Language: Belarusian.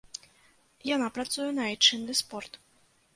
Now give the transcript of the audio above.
Яна працуе на айчынны спорт.